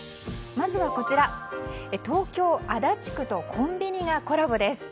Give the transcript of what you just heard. まずは東京・足立区とコンビニがコラボです。